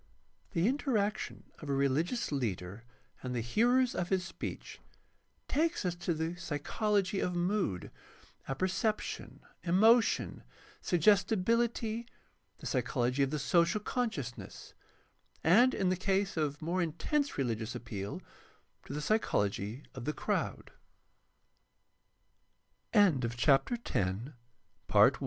The interaction of a religious leader and the hearers of his speech takes us to the psychology of mood, apperception, emotion, suggestibility, the psychology of the social consciousness, and, in the case of more intense reHgious appeal, to the psychology of t